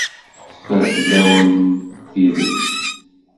Teffer fell-awen tidet.